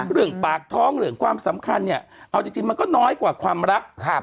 เรื่องปากท้องเรื่องความสำคัญเนี่ยเอาจริงมันก็น้อยกว่าความรัก